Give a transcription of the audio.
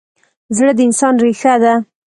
زړه د انسان ریښه ده.